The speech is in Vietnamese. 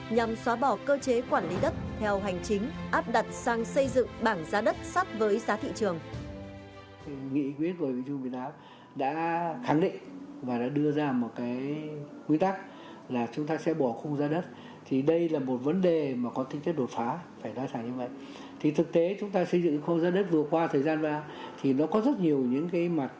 nhằm xóa bỏ cơ chế quản lý đất theo hành chính áp đặt sang xây dựng bảng giá đất sát với giá thị trường